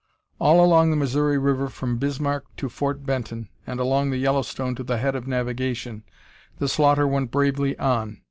All along the Missouri River from Bismarck to Fort Benton, and along the Yellowstone to the head of navigation, the slaughter went bravely on.